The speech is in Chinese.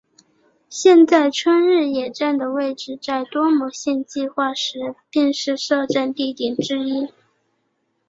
现在春日野站的位置在多摩线计画时便是设站地点之一。